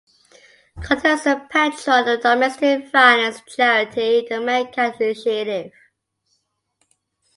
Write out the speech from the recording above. Cotter is a patron of domestic violence charity the ManKind Initiative.